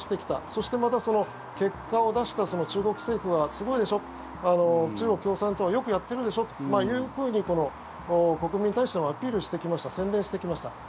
そして、またその結果を出した中国政府はすごいでしょ中国共産党はよくやってるでしょというふうに国民に対してアピールしてきました宣伝してきました。